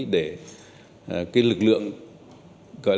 để lực lượng gọi là nòng cơ sở lực lượng an ninh trật tự ở cơ sở này